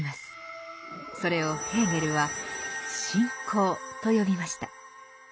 それをヘーゲルは「信仰」と呼びました。